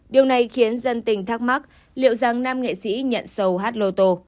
điều này khiến dân tình thắc mắc liệu rằng nam nghệ sĩ nhận sầu hát lô tô